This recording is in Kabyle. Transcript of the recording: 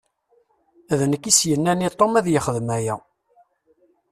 D nekk i s-yennan i Tom ad yexdem aya.